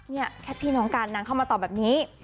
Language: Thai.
นี่แค่พี่น้องกันนางเข้ามาตอบแบบนี้